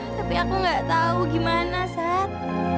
tapi aku nggak tau gimana sat